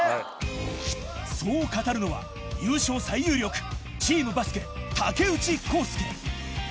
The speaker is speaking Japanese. そう語るのは優勝最有力チームバスケ